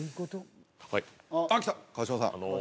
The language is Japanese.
はいああ来た川島さん